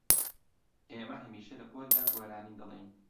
ئێمە هەمیشە لە پۆلدا گۆرانی دەڵێین.